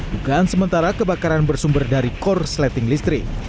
dugaan sementara kebakaran bersumber dari korsleting listrik